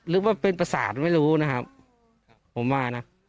หรือว่าเป็นประสาทไม่รู้นะครับผมว่านะ